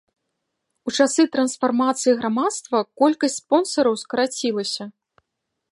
У часы трансфармацыі грамадства колькасць спонсараў скарацілася.